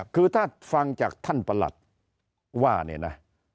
คือถ้าฟังจากท่านประหลัดว่า